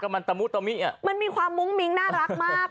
มันมีความมุ้งมิ้งน่ารักมาก